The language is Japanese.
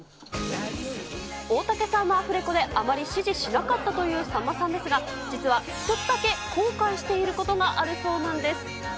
大竹さんのアフレコであまり指示しなかったというさんまさんですが、実は一つだけ後悔していることがあるそうなんです。